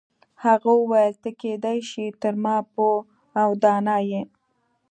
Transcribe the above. هغه وویل ته کیدای شي تر ما پوه او دانا یې.